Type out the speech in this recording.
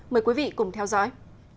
mời quý vị cùng theo dõi